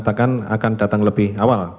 akan datang lebih awal